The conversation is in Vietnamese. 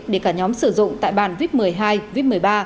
để cả nhóm sử dụng tại bàn vip một mươi hai vip một mươi ba